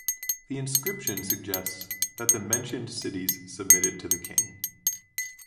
The inscription suggests that the mentioned cities submitted to the king.